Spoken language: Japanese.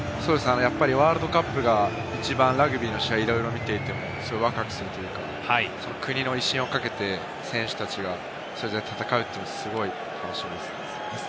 ワールドカップが一番ラグビーの試合をいろいろ見ていてもワクワクするというか、国の威信をかけて選手たちがそれぞれ戦うというのはすごく楽しみです。